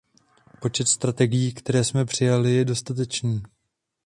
Počet strategií, které jsme přijali, je dostatečný.